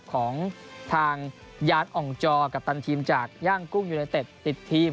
ของทางยานอ่องจอกัปตันทีมจากย่างกุ้งยูไนเต็ดติดทีม